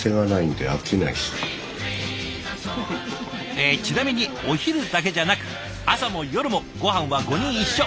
えちなみにお昼だけじゃなく朝も夜もごはんは５人一緒。